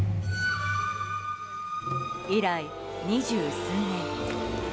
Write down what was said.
以来、二十数年。